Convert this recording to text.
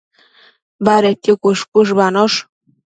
Badedquio cuësh-cuëshbanosh